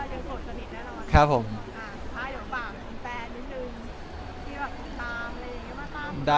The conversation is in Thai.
ถ้าอยู่ฝั่งแฟนหนึ่งที่แบบถึงตาม